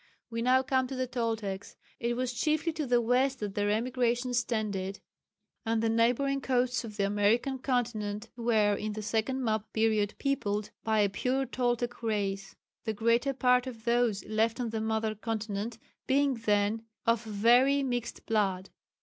We now come to the Toltecs. It was chiefly to the west that their emigrations tended, and the neighbouring coasts of the American continent were in the second map period peopled by a pure Toltec race, the greater part of those left on the mother continent being then of very mixed blood.